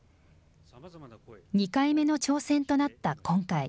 ２回目の挑戦となった今回。